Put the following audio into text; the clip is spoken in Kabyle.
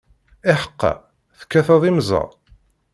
Iḥeqqa, tekkateḍ imẓad?